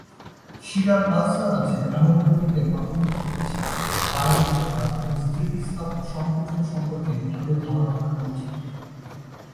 শিরার আলসার আছে এমন রোগীদের প্রাথমিক চিকিৎসা, পায়ের উচ্চতা এবং স্থিতিস্থাপক সংকোচন সম্পর্কে ভালো ধারণা থাকা উচিত।